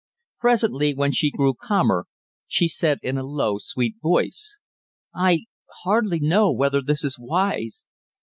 Presently, when she grew calmer, she said in a low, sweet voice "I hardly know whether this is wise.